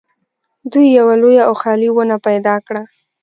دوی یوه لویه او خالي ونه پیدا کړه